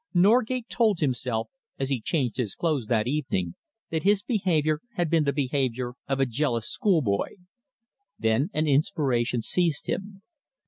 Norgate told himself, as he changed his clothes that evening, that his behaviour had been the behaviour of a jealous school boy. Then an inspiration seized him.